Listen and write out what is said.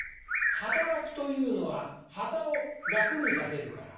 働くというのは傍を楽にさせるから。